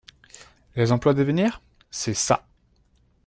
Les emplois d’avenir, c’est ça.